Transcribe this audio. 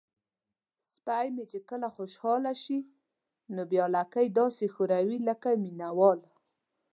سپی مې کله چې خوشحاله شي نو بیا لکۍ داسې ښوروي لکه مینه وال.